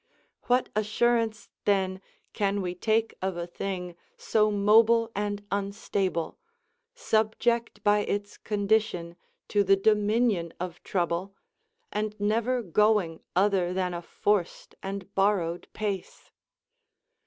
What assurance then can we take of a thing so mobile and unstable, subject by its condition to the dominion of trouble, and never going other than a forced and borrowed pace?